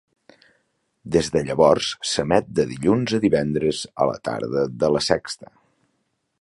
Des de llavors s'emet de dilluns a divendres a la tarda de La Sexta.